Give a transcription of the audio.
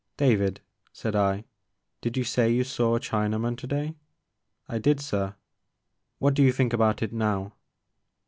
* David,'* said I, did you say you saw a Chinaman today ?"'* I did sir.'' *' What do you think about it now